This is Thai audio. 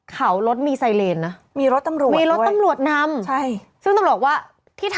ขาวรถมีไซเรนเนี่ย